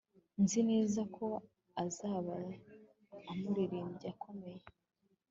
Nzi neza ko azaba umuririmbyi ukomeye